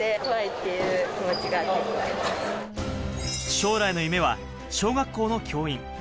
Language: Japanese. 将来の夢は小学校の教員。